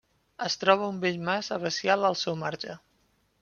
Es troba un vell mas abacial al seu marge.